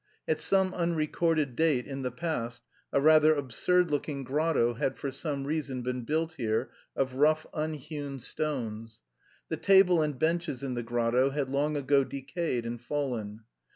At some unrecorded date in the past a rather absurd looking grotto had for some reason been built here of rough unhewn stones. The table and benches in the grotto had long ago decayed and fallen.